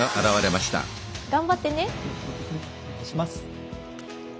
頑張ってね。